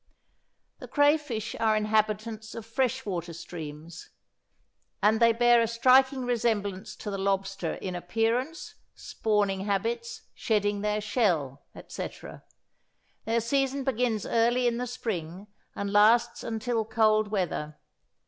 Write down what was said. The crayfish are inhabitants of fresh water streams; and they bear a striking resemblance to the lobster in appearance, spawning habits, shedding their shell, etc. Their season begins early in the spring, and lasts until cold weather.